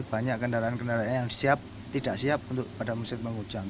banyak kendaraan kendaraan yang siap tidak siap pada musim hujan